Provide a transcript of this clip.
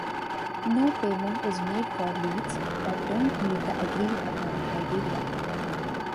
No payment is made for leads that don't meet the agreed upon criteria.